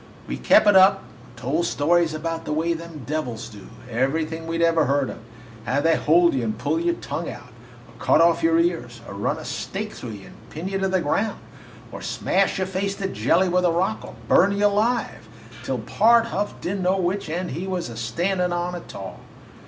We kep' it up and told stories about the way them devils do everything we 'd ever heard of how they hold you and pull out your tongue, or cut off your ears, or run a stake through you and pin you to the ground, or smash your face to a jelly with a rock, or burn you alive, till Pard Huff did n't know which end he was a standin' on a tall.